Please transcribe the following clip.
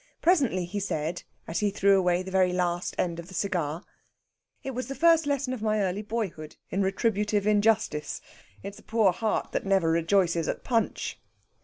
Presently he said, as he threw away the very last end of the cigar: "It was the first lesson of my early boyhood in retributive injustice. It's a poor heart that never rejoices at Punch."